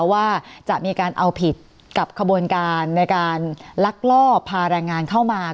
ว่าจะมีการเอาผิดกับขบวนการในการลักลอบพาแรงงานเข้ามา